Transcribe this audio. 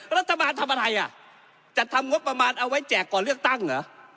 รัฐบาลทำอะไรอ่ะจัดทำงบประมาณเอาไว้แจกก่อนเลือกตั้งเหรอ